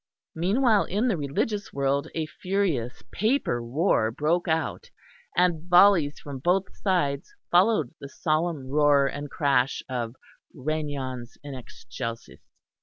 Meanwhile in the religious world a furious paper war broke out; and volleys from both sides followed the solemn roar and crash of Regnans in Excelsis.